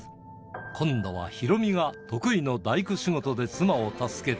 今度はヒロミが得意の大工仕事で妻を助ける。